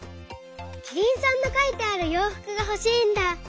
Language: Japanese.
キリンさんのかいてあるようふくがほしいんだ！